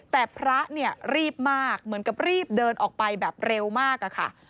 แต่พระเนี่ยรีบมากเหมือนกับรีบเดินออกไปแบบเร็วมากอะค่ะ